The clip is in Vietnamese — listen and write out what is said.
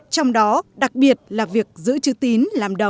trong đó đặc biệt là việc giữ chữ tín